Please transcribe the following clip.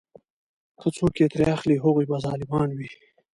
که څوک یې ترې اخلي هغوی به ظالمان وي.